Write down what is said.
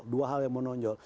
dua hal yang menonjol